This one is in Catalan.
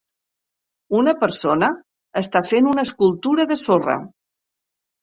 Una persona està fent una escultura de sorra.